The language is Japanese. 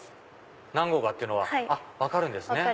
何号かっていうのが分かるんですね！